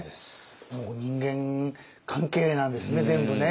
もう人間関係なんですね全部ね。